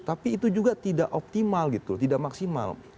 tapi itu juga tidak optimal gitu tidak maksimal